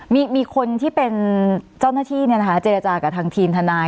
มีคนที่เป็นเจ้าหน้าที่เจรจากับทางทีมทนาย